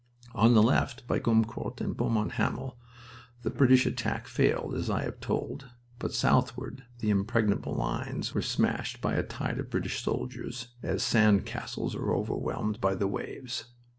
On the left, by Gommecourt and Beaumont Hamel, the British attack failed, as I have told, but southward the "impregnable" lines were smashed by a tide of British soldiers as sand castles are overwhelmed by the waves.